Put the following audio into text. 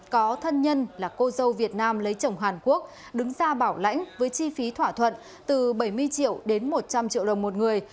có thân nhân là cô dâu việt nam lấy chồng hàn quốc đứng ra bảo lãnh với chi phí thỏa thuận từ bảy mươi triệu đến một trăm linh triệu đồng một người